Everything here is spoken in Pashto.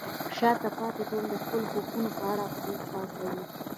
شاته پاتې ټولنه د خپلو حقونو په اړه پوهه کوي.